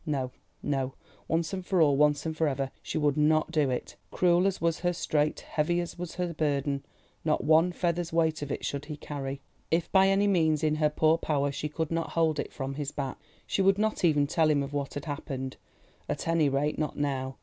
No, no; once and for all, once and for ever, she would not do it. Cruel as was her strait, heavy as was her burden, not one feather's weight of it should he carry, if by any means in her poor power she could hold it from his back. She would not even tell him of what had happened—at any rate, not now.